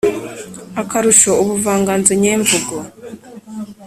akarusho ubuvanganzo nyemvugo